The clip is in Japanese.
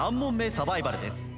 サバイバルです。